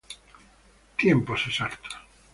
Tiempos exactos.